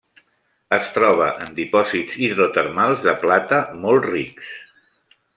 Es troba en dipòsits hidrotermals de plata molt rics.